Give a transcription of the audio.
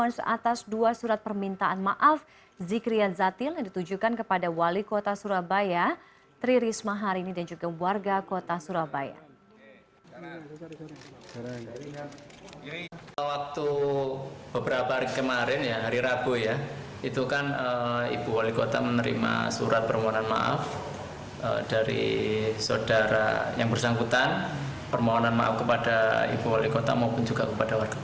respons atas dua surat permintaan maaf zikria zatil yang ditujukan kepada wali kota surabaya tri risma hari ini dan juga warga kota surabaya